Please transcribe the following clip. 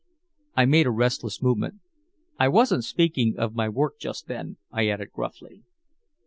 I made a restless movement. "I wasn't speaking of my work just then," I added gruffly.